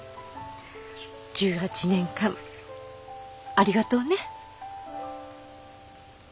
１８年間ありがとうね。